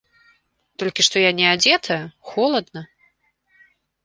Толькі што я неадзетая, холадна.